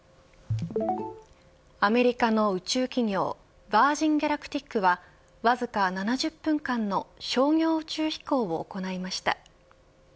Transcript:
アメリカの宇宙企業ヴァージン・ギャラクティックはわずか７０分間の商業宇宙飛行を行いました。